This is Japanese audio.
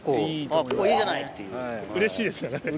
うれしいですよね。